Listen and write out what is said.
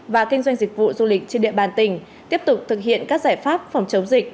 và kinh doanh dịch vụ du lịch trên địa bàn tỉnh tiếp tục thực hiện các giải pháp phòng chống dịch